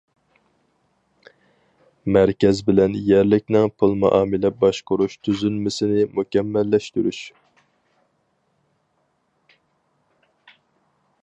مەركەز بىلەن يەرلىكنىڭ پۇل مۇئامىلە باشقۇرۇش تۈزۈلمىسىنى مۇكەممەللەشتۈرۈش.